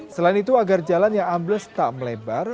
selain itu agar jalan yang ambles tak melebar